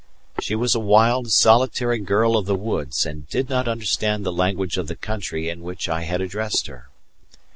She was a wild, solitary girl of the woods, and did not understand the language of the country in which I had addressed her.